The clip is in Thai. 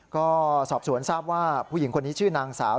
ก็สอบสวนทราบว่าผู้หญิงคนนี้ชื่อนางสาว